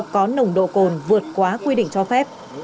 có nồng độ cồn vượt quá quy định cho phép